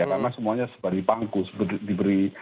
karena semuanya diberi pangku diberi